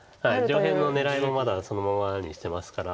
上辺の狙いもまだそのままにしてますから。